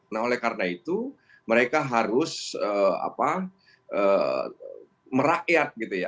nah oleh karena itu mereka harus merakyat gitu ya